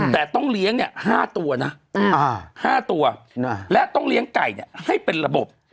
๕ตัวนะ๕ตัวและต้องเลี้ยงไก่ให้เป็นระบบ